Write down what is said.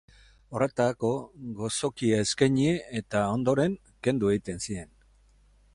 Horretarako, gozokia eskaini eta, ondoren, kendu egiten zien.